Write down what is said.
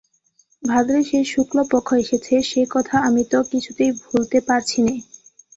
ভাদ্রের সেই শুক্লপক্ষ এসেছে, সে কথা আমি তো কিছুতেই ভুলতে পারছি নে।